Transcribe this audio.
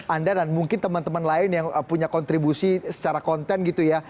anda dan mungkin teman teman lain yang punya kontribusi secara konten gitu ya